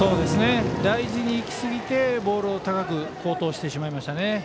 大事にいきすぎてボールを高く暴投してしまいましたね。